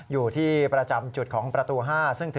อยู่ที่ประจำจุดของประตู๕ซึ่ง